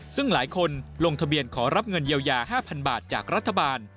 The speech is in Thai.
ซึ่งหลายคนลงทะเบียนขอรับเงินเยียวยา๕๐๐บาทจากรัฐบาล